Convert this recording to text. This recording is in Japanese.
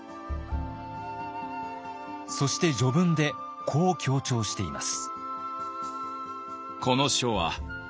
そして序文でこう強調しています。